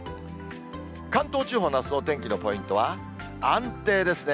関東地方のあすのお天気のポイントは、安定ですね。